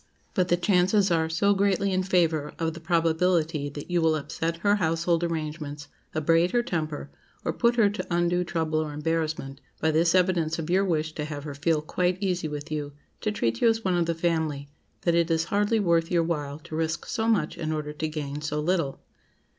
But the chances are so greatly in favor of the probability that you will upset her household arrangements, abrade her temper, or put her to undue trouble or embarrassment, by this evidence of your wish to have her feel quite easy with you, to treat you as one of the family, that it is hardly worth your while to risk so much in order to gain so little.